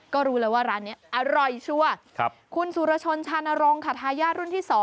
คุณสุรชนชานารงคทายาทรุ่นที่๒